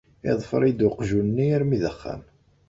Iḍfer-iyi-d uqjun-nni armi d axxam.